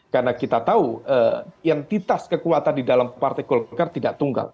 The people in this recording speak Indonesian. karena kita tahu entitas kekuatan di dalam partai golkar tidak tunggal